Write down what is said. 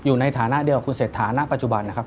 อยู่ในฐานะเดียวกับคุณเศรษฐาณปัจจุบันนะครับ